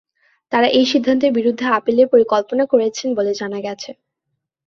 তারা এই সিদ্ধান্তের বিরুদ্ধে আপিলের পরিকল্পনা করছেন বলে জানা গেছে।